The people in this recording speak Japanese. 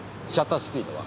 シャッタースピードは？